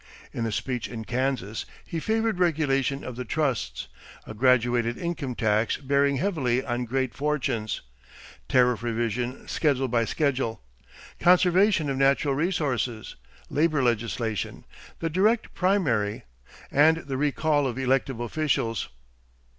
In a speech in Kansas, he favored regulation of the trusts, a graduated income tax bearing heavily on great fortunes, tariff revision schedule by schedule, conservation of natural resources, labor legislation, the direct primary, and the recall of elective officials.